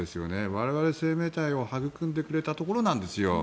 我々、生命体を育んでくれたところなんですよ。